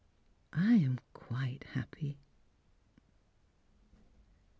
I am quite happy."